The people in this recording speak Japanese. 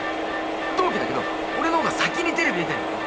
同期だけど俺の方が先にテレビ出てんだよ？